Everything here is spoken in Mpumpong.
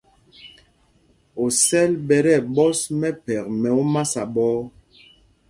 Osɛl ɓɛ̄ tí ɛɓɔ́s mɛphɛk mɛ omasa ɓɔ̄ɔ̄.